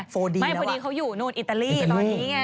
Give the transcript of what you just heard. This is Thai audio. ดีไม่พอดีเขาอยู่นู่นอิตาลีตอนนี้ไง